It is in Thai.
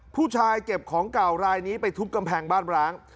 เก็บของเก่ารายนี้ไปทุบกำแพงบ้านร้าง